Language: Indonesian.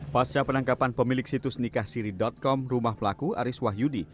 pasca penangkapan pemilik situs nikahsiri com rumah pelaku aris wahyudi